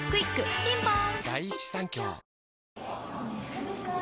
ピンポーン